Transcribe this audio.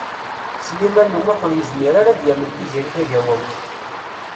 Sliman U Muḥ ur yezmir ara ad yamen Tiziri Tagawawt.